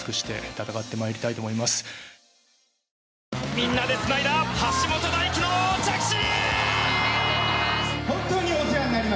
みんなでつないだ橋本大輝の着地！